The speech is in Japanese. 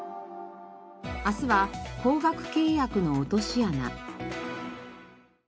明日は高額契約の落とし穴。